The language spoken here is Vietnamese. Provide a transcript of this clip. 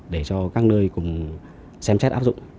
để cho các nơi cùng xem xét áp dụng